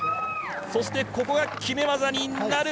そしてここが決め技になる。